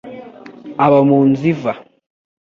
aba mu nzu iva,